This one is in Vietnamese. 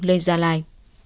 lên gia lai